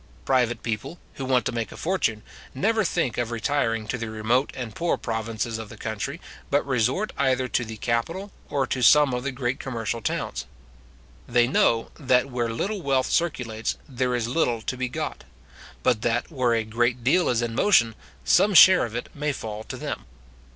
Private people, who want to make a fortune, never think of retiring to the remote and poor provinces of the country, but resort either to the capital, or to some of the great commercial towns. They know, that where little wealth circulates, there is little to be got; but that where a great deal is in motion, some share of it may fall to them.